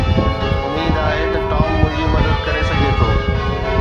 اميد آهي ته ٽام منهنجي مدد ڪري سگهي ٿو.